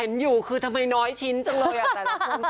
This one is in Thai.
เห็นอยู่คือทำไมน้อยชิ้นจังเลยอ่ะแต่ละคน